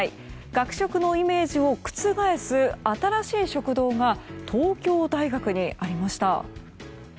学食のイメージを覆す新しい食堂が東京大学にありました。